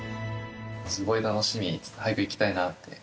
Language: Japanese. すごい楽しみって言って、早く行きたいなって。